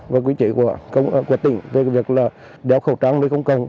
và quy trì của tỉnh về việc đeo khẩu trang nơi không cần